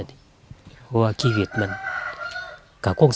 เพราะว่าชีวิตมัน